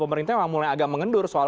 pemerintah memang mulai agak mengendur soal